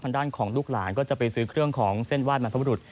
ทางด้านของลูกหลานก็จะไปซื้อเครื่องของเส้นวาดแหม่งพระพระรุธ